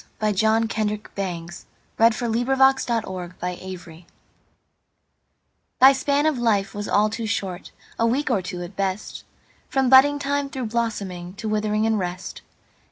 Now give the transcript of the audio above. By John KendrickBangs 1498 To a Whithered Rose THY span of life was all too short—A week or two at best—From budding time, through blossoming, To withering and rest.